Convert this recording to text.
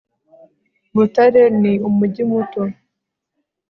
butare ni umujyi muto